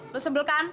lo sebel kan